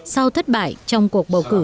sau thất bại trong cuộc bầu cử